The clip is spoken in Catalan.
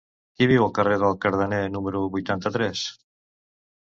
Qui viu al carrer del Cardener número vuitanta-tres?